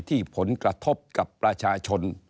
ที่ผลกระทบกับประชาชน